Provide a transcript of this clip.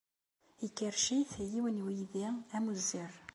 Ikerrec-it yiwen n uydi amuzzer.